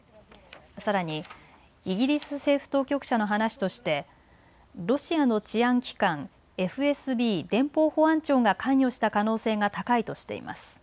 さらにイギリス政府当局者の話としてロシアの治安機関、ＦＳＢ・連邦保安庁が関与した可能性が高いとしています。